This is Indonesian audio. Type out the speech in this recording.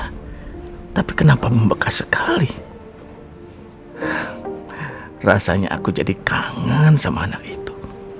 hah tapi kenapa membekas sekali rasanya aku jadi kangen sama anak itu